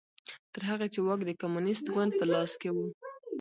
تر هغې چې واک د کمونېست ګوند په لاس کې و